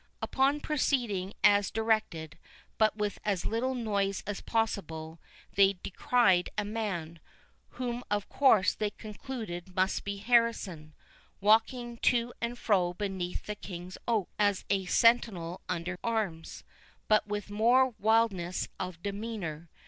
Upon proceeding as directed, but with as little noise as possible, they descried a man, whom of course they concluded must be Harrison, walking to and fro beneath the King's oak, as a sentinel under arms, but with more wildness of demeanour.